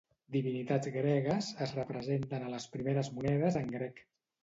Divinitats gregues, es representen a les primeres monedes en grec.